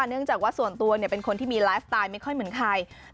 เนื่องจากว่าส่วนตัวเป็นคนที่มีไลฟ์สไตล์ไม่ค่อยเหมือนใคร